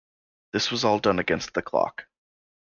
This was all done against the clock.